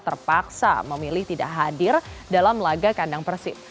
terpaksa memilih tidak hadir dalam lagakandang persib